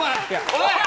おい！